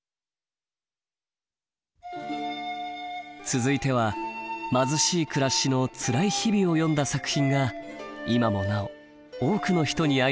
続いては貧しい暮らしのつらい日々を詠んだ作品が今もなお多くの人に愛される石川啄木。